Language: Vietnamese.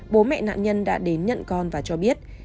bố mẹ nạn nhân đã đến nhận con và cho biết